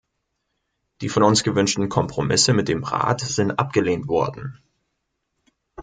Die von uns gewünschten Kompromisse mit dem Rat sind abgelehnt worden.